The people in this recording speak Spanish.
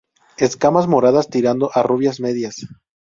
Escamas moradas tirando a rubias, medias.